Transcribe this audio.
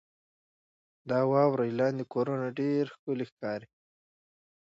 • د واورې لاندې کورونه ډېر ښکلي ښکاري.